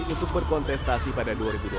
untuk berkontestasi pada dua ribu dua puluh